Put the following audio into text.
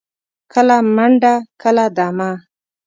کله منډه، کله دمه.